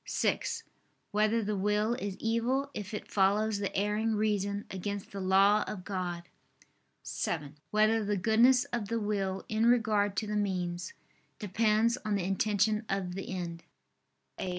(6) Whether the will is evil if it follows the erring reason against the law of God? (7) Whether the goodness of the will in regard to the means, depends on the intention of the end?